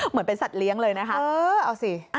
เหมือนเป็นสัตว์เลี้ยงเลยนะคะเอาสิ